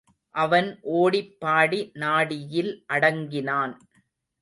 அவன் ஓடிப் பாடி நாடியில் அடங்கினான்.